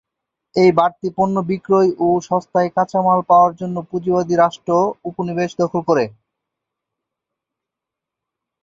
এই বাড়তি পণ্য বিক্রয় ও সস্তায় কাঁচামাল পাওয়ার জন্য পুঁজিবাদী রাষ্ট্র উপনিবেশ দখল করে।